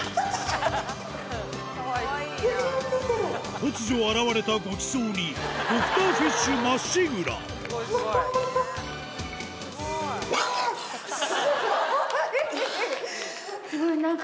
突如現れたごちそうにドクターフィッシュまっしぐらスゴいなんか。